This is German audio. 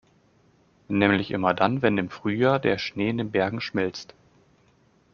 Nämlich immer dann, wenn im Frühjahr der Schnee in den Bergen schmilzt.